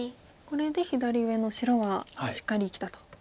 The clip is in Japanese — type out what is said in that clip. これで右上の白はしっかり生きたと。